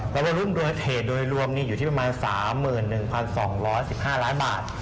แล้ววลุมร้อยเทรดโดยรวมอยู่ที่ประมาณ๓๑๒๑๕ล้านบาท